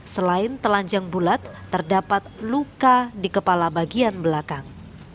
selain telanjang bulat terdapat luka di kepala bagian belakang